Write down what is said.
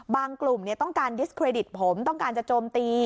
กลุ่มต้องการดิสเครดิตผมต้องการจะโจมตี